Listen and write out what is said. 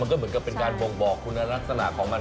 ก็เหมือนกับเป็นการบ่งบอกคุณลักษณะของมัน